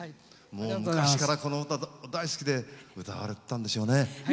昔からこの歌が大好きで歌われてたんでしょうね。